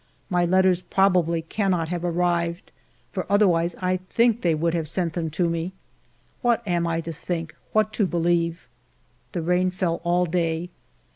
My letters probably cannot have arrived, for other wise I think they would have sent them to me. What am I to think, what to believe ? The rain fell all day.